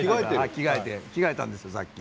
着替えたんですよさっき。